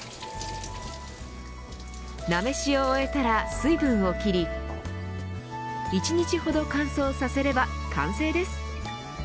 なめしを終えたら水分を切り１日ほど乾燥させれば完成です。